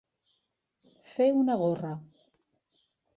Fer una gorra.